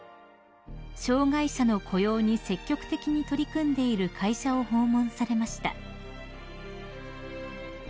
障害者の雇用に積極的に取り組んでいる会社を訪問されました］